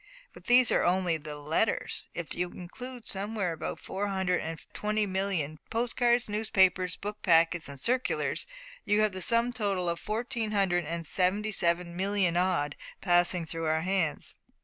But these are only the letters. If you include somewhere about four hundred and twenty million post cards, newspapers, book packets, and circulars, you have a sum total of fourteen hundred and seventy seven million odd passing through our hands.